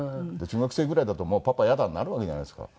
中学生ぐらいだと「パパイヤだ」になるわけじゃないですか。